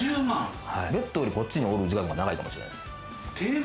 ベッドより、こっちに居る時間が長いかもしれないです。